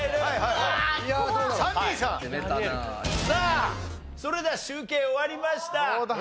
さあそれでは集計終わりました。